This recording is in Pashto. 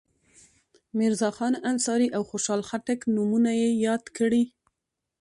میرزاخان انصاري او خوشحال خټک نومونه یې یاد کړي.